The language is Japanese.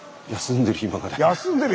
休んでる